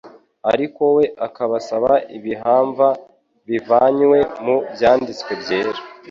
ariko we akabasaba ibihamva bivanywe mu Byanditswe byera.